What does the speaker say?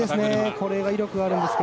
これが威力があるんですが。